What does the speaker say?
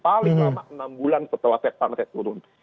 paling lama enam bulan setelah fed fund fed turun